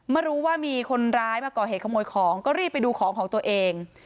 มารู้ว่ามีคนร้ายมาก่อเหตุขโมยของก็รีบไปดูของของตัวเอง